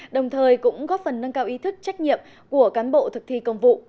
đồng thời cũng góp phần nâng cao ý thức trách nhiệm của cán bộ thực thi công vụ